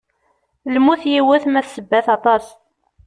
Lmut yiwet, ma d ssebbat aṭas.